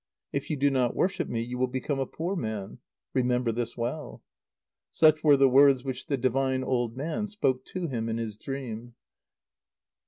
If you do not worship me, you will become a poor man. Remember this well!" Such were the words which the divine old man spoke to him in his dream.